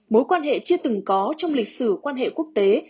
mối quan hệ chưa từng có trong lịch sử quan hệ quốc tế